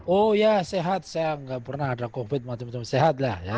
oh ya sehat saya nggak pernah ada covid macam macam sehat lah ya